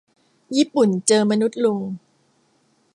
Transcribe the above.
ญี่ปุ่นเจอมนุษย์ลุง